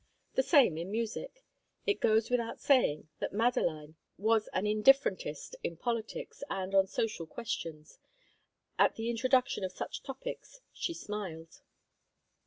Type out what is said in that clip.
The same in music. It goes without saying that Madeline was an indifferentist in politics and on social questions; at the introduction of such topics, she smiled.